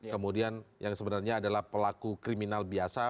kemudian yang sebenarnya adalah pelaku kriminal biasa